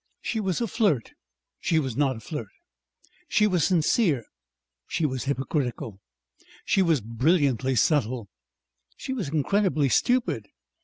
She was a flirt; she was not a flirt. She was sincere; she was hypocritical. She was brilliantly subtle; she was incredibly stupid.